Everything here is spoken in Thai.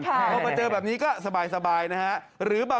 พอมาเจอแบบนี้ก็สบายนะฮะ